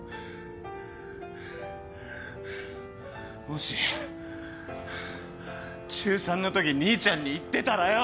もし中３のとき兄ちゃんに言ってたらよ。